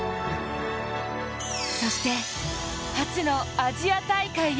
そして、初のアジア大会へ。